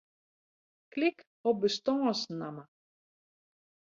Klik op bestânsnamme.